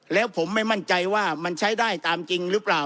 แล้วผมไม่มั่นใจว่ามันใช้ได้ตามจริงหรือเปล่า